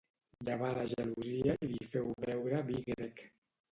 Llevà la gelosia i li feu beure vi grec.